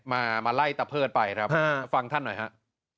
มามาไล่ตะเพิดไปครับฟังท่านหน่อยฮะ